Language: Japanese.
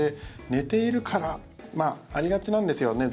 寝ているからありがちなんですよね。